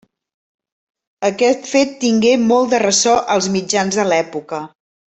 Aquest fet tingué molt de ressò als mitjans de l'època.